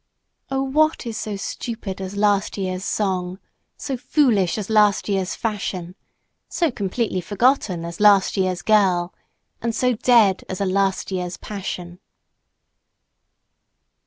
Oh, what is so stupid as last year's song, So foolish as last year's fashion, So completely forgotten as last year's girl, And so dead as a last year's passion?